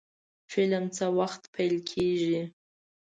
فلم څه وخت پیل کیږي؟